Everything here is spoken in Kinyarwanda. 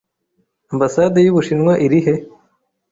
Ambasade y'Ubushinwa iri he?